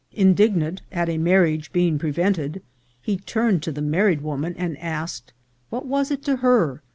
Indignant at a marriage being prevented, he turned to the married woman and asked, What was it to her